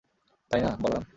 তাই না, বলরাম?